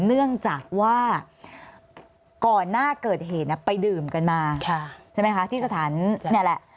เนื่องจากว่าก่อนหน้าเกิดเหตุไปดื่มกันมาใช่ไหมคะที่สถานเนี่ยแหละ